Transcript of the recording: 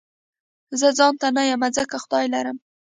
زه ځانته نه يم ځکه خدای لرم